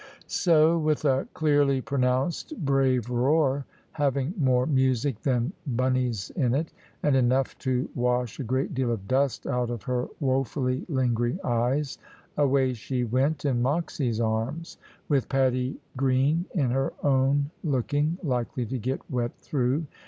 So with a clearly pronounced brave roar, having more music than Bunny's in it, and enough to wash a great deal of "dust" out of her woefully lingering eyes, away she went in Moxy's arms, with Patty Green in her own looking likely to get wet through.